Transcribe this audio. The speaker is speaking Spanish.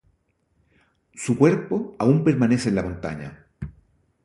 Su cuerpo aún permanece en la montaña.